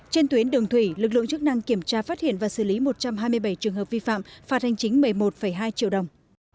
trên tuyến đường thủy lực lượng chức năng kiểm tra phát hiện và xử lý một trăm hai mươi bảy trường hợp vi phạm phạt hành chính một mươi một hai triệu đồng